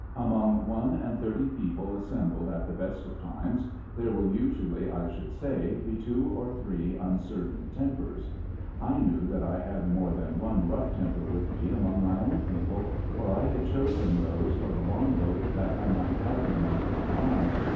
Among one and thirty people assembled at the best of times, there will usually, I should say, be two or three uncertain tempers. I knew that I ha.d more than one rough temper with me among my own people, for I had chosen those for the Long boat that I might have them under my eye.